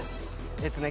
えっとね